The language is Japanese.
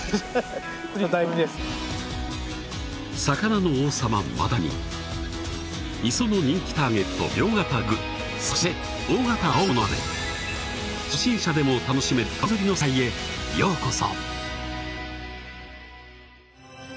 魚の王様マダイに磯の人気ターゲット良型グレそして大型青物まで初心者でも楽しめるカゴ釣りの世界へようこそ！